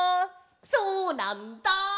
そうなんだ！